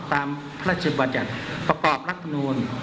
ตามพระราชบัจจัตริย์ประกอบรัฐนูน